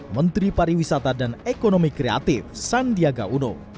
menteri pariwisata dan ekonomi kreatif sandiaga uno